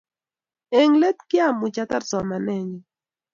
eng' letu kiamuch atar somanet nyu